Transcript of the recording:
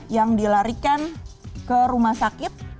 yang dilarikan ke rumah sakit